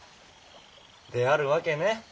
であるわけね。